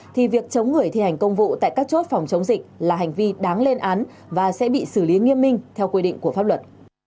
thì việc chống người thi hành công vụ tại các chốt phòng chống dịch là hành vi đáng lên án và sẽ bị xử lý nghiêm minh theo quy định của pháp luật